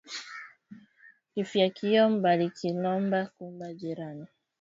Kifiakio balikilomba kuba jirani